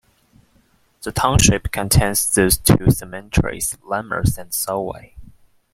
The township contains these two cemeteries: Lammers and Solway.